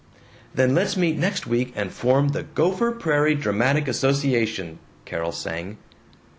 "Then let's meet next week and form the Gopher Prairie Dramatic Association!" Carol sang.